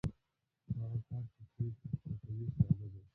خو هغه کار چې ته یې ترسره کوې ساده دی